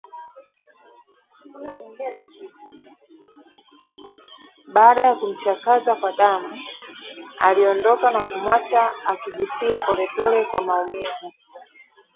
Baada ya kumchakaza kwa damu aliondoka na kumwacha akijifia polepole kwa maumivu